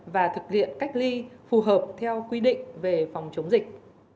và thực hiện cách ly phù hợp theo quy định về phòng chống dịch